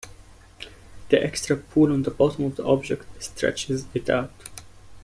The "extra" pull on the "bottom" of the object stretches it out.